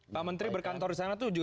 pak menteri berkantor di sana